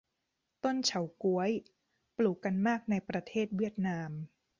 ต้นเฉาก๊วย ปลูกกันมากในประเทศเวียดนาม